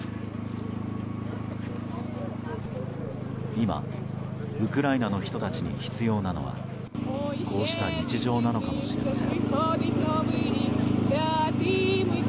今、ウクライナの人たちに必要なのはこうした日常なのかもしれません。